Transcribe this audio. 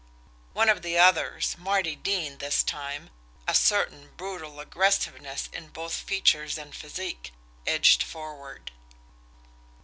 One of the others, Marty Dean this time, a certain brutal aggressiveness in both features and physique, edged forward.